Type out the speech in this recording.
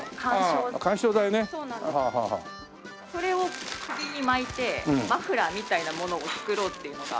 それを首に巻いてマフラーみたいなものを作ろうっていうのが。